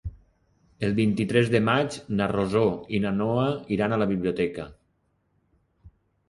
El vint-i-tres de maig na Rosó i na Noa iran a la biblioteca.